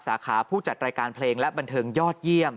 สาขาผู้จัดรายการเพลงและบันเทิงยอดเยี่ยม